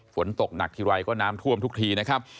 ฝนตกหนักทีไรก็น้ำท่วมทุกทีนะครับ